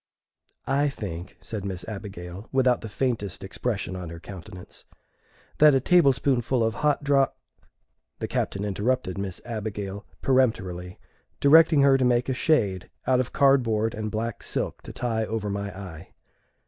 "I think," said Miss Abigail, without the faintest expression on her countenance, "that a table spoonful of hot dro " The Captain interrupted Miss Abigail peremptorily, directing her to make a shade out of cardboard and black silk to tie over my eye.